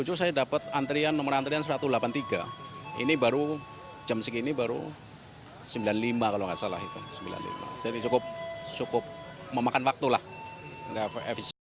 jadi cukup memakan waktu lah